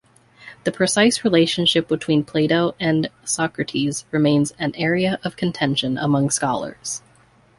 The precise relationship between Plato and Socrates remains an area of contention among scholars.